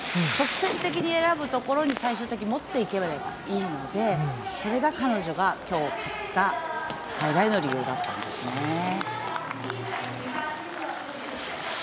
直線的に選ぶところに最終的に持っていけばいいのでそれが彼女が今日、勝った最大の理由ですね。